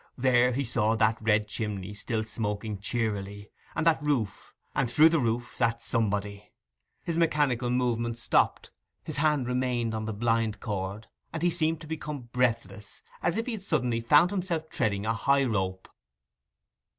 There he saw that red chimney still smoking cheerily, and that roof, and through the roof that somebody. His mechanical movements stopped, his hand remained on the blind cord, and he seemed to become breathless, as if he had suddenly found himself treading a high rope.